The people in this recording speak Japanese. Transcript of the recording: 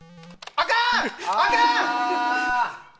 あかん！